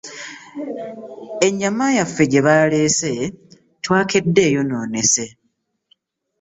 Ennyama yaffe gye baalese twakedde eyonoonese.